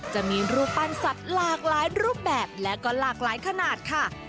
จะมีรูปปั้นสัตว์หลากหลายรูปแบบและก็หลากหลายขนาดค่ะ